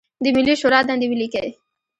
د ملي شورا دندې ولیکئ.